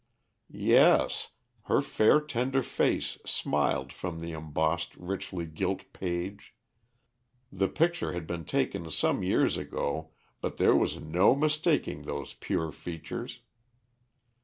Yes, her fair tender face smiled from the embossed, richly gilt page. The picture had been taken some years ago, but there was no mistaking those pure features.